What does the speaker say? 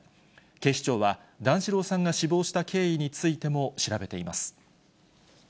警視庁は、段四郎さんが死亡した経緯についても調べています。